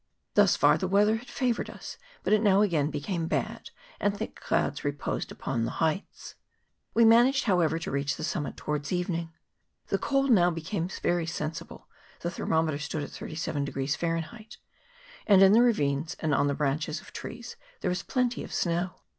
Thus far the weather had favoured us, but it now again became bad, and thick clouds reposed upon the heights. We managed, however, to reach the summit towards evening. The cold now became very sensible ; the thermometer stood at 37 Fahrenheit, and in the ravines and on the branches of trees there was plenty of snow.